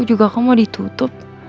aku juga kok mau ditutup